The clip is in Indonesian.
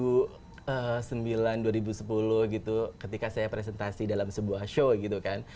kalau saya melihatnya tahun dua ribu sembilan dua ribu sepuluh gitu ketika saya presentasi dalam sebuah show gitu kan